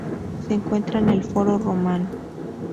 Se encuentra en el Foro Romano.